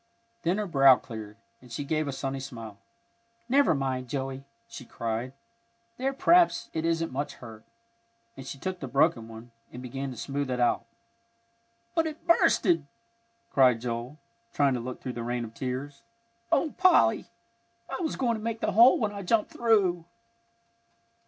Then her brow cleared, and she gave a sunny smile. "Never mind, Joey!" she cried. "There, p'r'aps it isn't much hurt," and she took the broken one, and began to smooth it out. "But it's bursted," cried Joel, trying to look through the rain of tears. "Oh, Polly! I was going to make the hole when I jumped through."